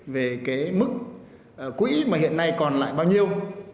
về cái mức quỹ mà hiện nay còn lại bao nhiêu